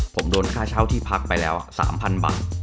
ผมโดนค่าเช่าที่พักไปแล้ว๓๐๐๐บาท